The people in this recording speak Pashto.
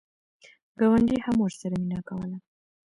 ګاونډي هم ورسره مینه کوله.